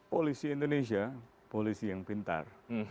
polisi indonesia polisi yang pintar